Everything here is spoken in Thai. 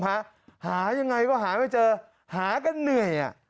หายังไงก็หาไม่เจอหากันเหนื่อย